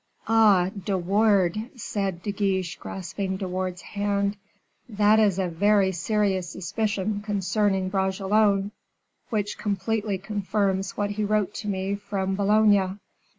"Ah! De Wardes," said De Guiche, grasping De Wardes's hand, "that is a very serious suspicion concerning Bragelonne, which completely confirms what he wrote to me from Boulogne."